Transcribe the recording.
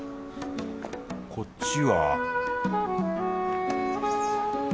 こっちは